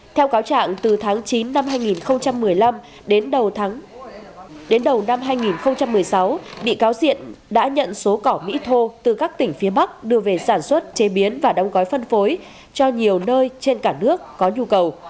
theo cáo trạng từ tháng chín năm hai nghìn một mươi năm đến đầu năm hai nghìn một mươi sáu bị cáo diện đã nhận số cỏ mỹ thô từ các tỉnh phía bắc đưa về sản xuất chế biến và đóng gói phân phối cho nhiều nơi trên cả nước có nhu cầu